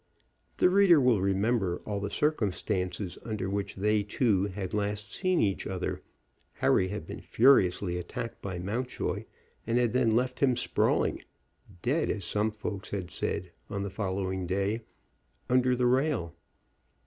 The reader will remember all the circumstances under which they two had last seen each other Harry had been furiously attacked by Mountjoy, and had then left him sprawling, dead, as some folks had said on the following day, under the rail.